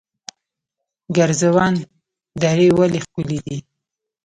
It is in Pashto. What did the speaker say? ګرزوان درې ولې ښکلې دي؟